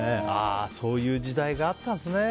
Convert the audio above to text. そういう時代があったんですね。